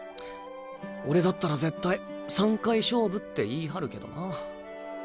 俺だったら絶対３回勝負って言い張るけどな。